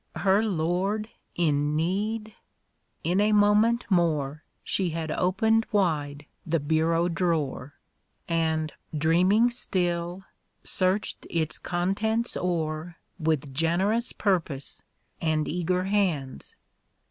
Her Lord in need ? In a moment more She had opened wide the bureau drawer, And (dreaming still) searched its contents o'er Witii generous purpose and eager hands.